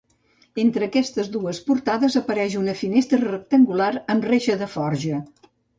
Entre aquestes dues portades apareix una finestra rectangular amb reixa de forja.